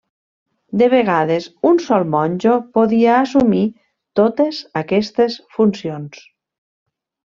De vegades, un sol monjo podia assumir totes aquestes funcions.